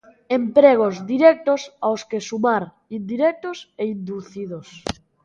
Empregos directos, aos que sumar indirectos e inducidos.